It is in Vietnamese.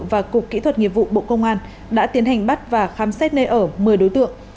và cục kỹ thuật nghiệp vụ bộ công an đã tiến hành bắt và khám xét nơi ở một mươi đối tượng